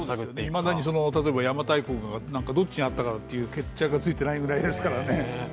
いまだに邪馬台国なんかどっちにあったかって決着ついてないぐらいですからね。